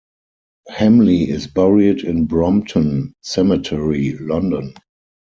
Hamley is buried in Brompton Cemetery, London.